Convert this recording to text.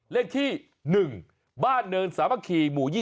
เลขที่หนึ่งบ้านเนินสามัคขี่หมู่๒๕